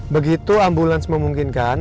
begitu ambulans memungkinkan